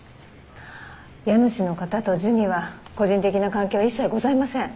家主の方とジュニは個人的な関係は一切ございません。